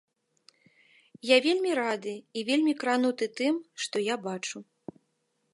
Я вельмі рады і вельмі крануты тым, што я бачу.